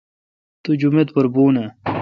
تو جومت پر بھون اؘ۔